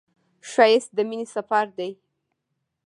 ښایست د مینې سفر دی